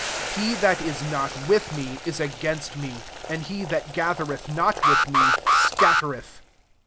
SO He that is not with me, is against me ; and he that ga thered! not with me, scattereth.